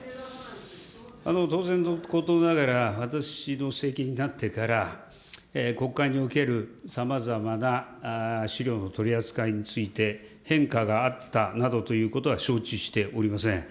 当然のことながら、私の政権になってから、国会におけるさまざまな資料の取り扱いについて変化があったなどということは承知しておりません。